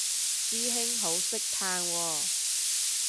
師兄好識嘆喎